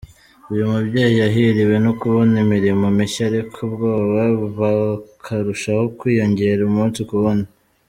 Uyu mubyeyi yahiriwe no kubona imirimo mishya ariko ubwoba bukarushaho kwiyongera umunsi ku wundi.